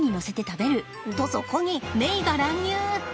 とそこにメイが乱入！